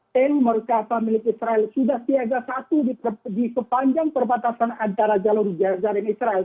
dan mereka family israel sudah siaga satu di sepanjang perbatasan antara jalur jaring israel